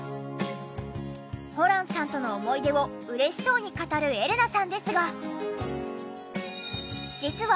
ホランさんとの思い出を嬉しそうに語るエレナさんですが。